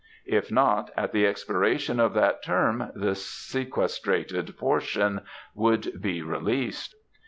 If not, at the expiration of that term, the sequestrated portion would be released.